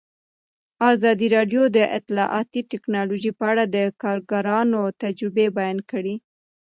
ازادي راډیو د اطلاعاتی تکنالوژي په اړه د کارګرانو تجربې بیان کړي.